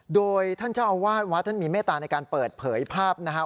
โดยท่านเจ้าอาวาสวัดท่านมีเมตตาในการเปิดเผยภาพนะครับ